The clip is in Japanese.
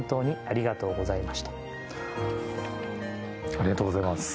ありがとうございます。